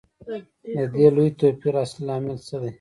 د دې لوی توپیر اصلي لامل څه دی